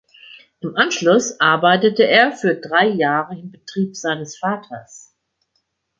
Im Anschluss arbeitete er für drei Jahre im Betrieb seines Vaters.